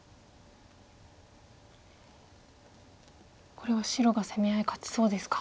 これは白が攻め合い勝ちそうですか。